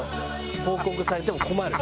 報告されても困る。